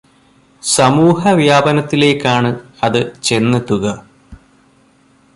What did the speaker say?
സമൂഹവ്യാപനത്തിലേക്കാണ് അതു ചെന്നെത്തുക.